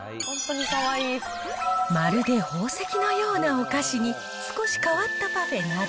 まるで宝石のようなお菓子に少し変わったパフェなど、